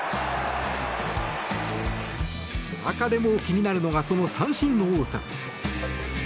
中でも気になるのがその三振の多さ。